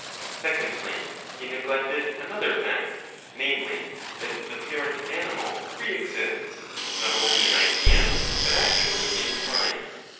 Secondly, he neglected another fact, namely, that the parent animal pre exists, not only in idea, but actually in time.